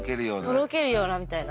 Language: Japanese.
「とろけるような」みたいな。